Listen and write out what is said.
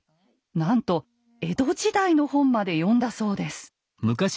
なんと江戸時代の本まで読んだそうです。